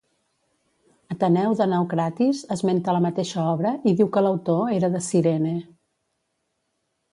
Ateneu de Naucratis esmenta la mateixa obra i diu que l'autor era de Cirene.